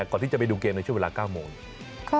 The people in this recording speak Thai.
ก่อนที่จะไปดูเกมในช่วงเวลา๙โมง